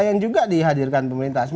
yang juga dihadirkan pemerintah